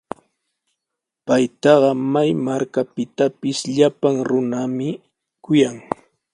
Paytaqa may markatrawpis llapan runami kuyan.